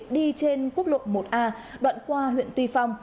đi trên quốc lộ một a đoạn qua huyện tuy phong